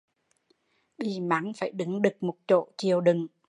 Bị mắng phải đứng đực một chỗ chịu đựng